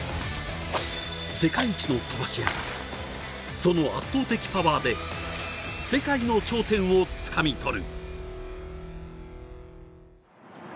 世界一の飛ばし屋その圧倒的パワーで世界の頂点をつかみ取る。